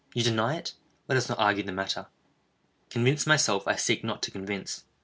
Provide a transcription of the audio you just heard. You deny it?—let us not argue the matter. Convinced myself, I seek not to convince.